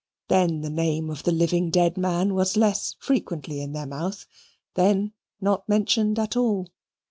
Then the name of the living dead man was less frequently in their mouth then not mentioned at all.